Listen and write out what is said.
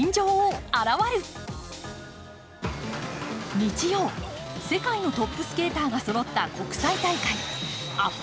日曜、世界のトップスケーターがそろった国際大会、アップ